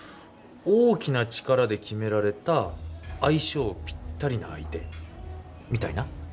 大きな力で決められた相性ぴったりな相手みたいな？